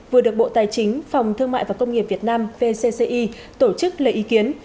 vừa được bộ tài chính phòng thương mại và công nghiệp việt nam vcci tổ chức lấy ý kiến